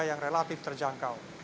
kenaikan yang relatif terjangkau